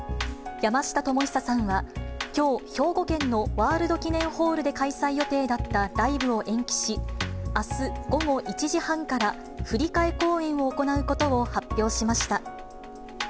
山下智久さんはきょう、兵庫県のワールド記念ホールで開催予定だったライブを延期し、あす午後１時半から振替講演を行うことを発表しました。